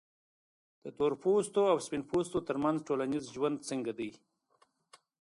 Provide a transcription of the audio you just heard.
د تورپوستو او سپین پوستو ترمنځ ټولنیز ژوند څنګه دی؟